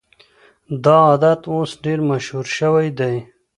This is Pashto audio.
دا عادت اوس ډېر مشهور شوی دی.